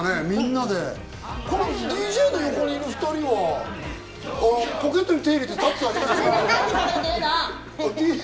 ＤＪの横にいる２人はポケットに手を入れて立ってるだけ。